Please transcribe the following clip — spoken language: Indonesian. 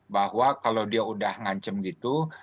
bahwa kalau dia udah ngancem gitu